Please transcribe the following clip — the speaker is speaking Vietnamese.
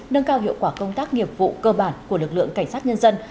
nâng cao hiệu quả công tác nghiệp vụ cơ bản của lực lượng cảnh sát nhân dân